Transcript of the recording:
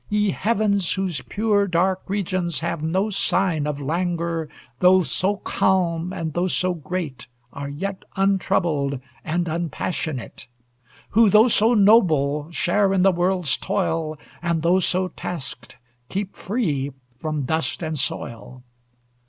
Ye heavens, whose pure dark regions have no sign Of languor, though so calm, and though so great Are yet untroubled and unpassionate; Who, though so noble, share in the world's toil, And, though so tasked, keep free from dust and soil!